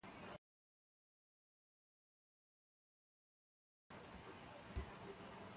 A bii kéŋ alɔŋ.